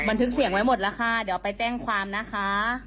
บันทึกเสียงไว้หมดแล้วค่ะเดี๋ยวไปแจ้งความนะคะ